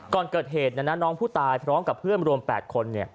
ก่อนเกิดเหตุน้องผู้ตายพร้อมกับเพื่อนรวม๘คน